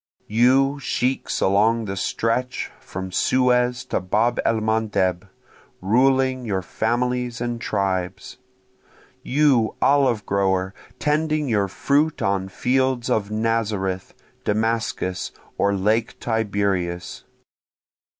You sheiks along the stretch from Suez to Bab el mandeb ruling your families and tribes! You olive grower tending your fruit on fields of Nazareth, Damascus, or lake Tiberias!